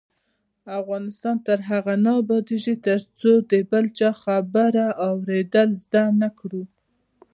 افغانستان تر هغو نه ابادیږي، ترڅو د بل چا خبره واوریدل زده نکړو.